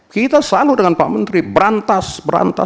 kita selalu dengan pak menteri berantas berantas